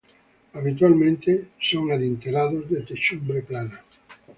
Habitualmente son adintelados, de techumbre plana.